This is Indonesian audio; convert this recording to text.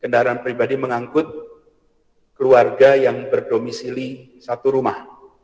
kendaraan pribadi mengangkut keluarga yang berdomisili satu rumah